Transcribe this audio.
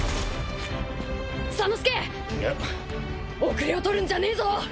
後れを取るんじゃねえぞ！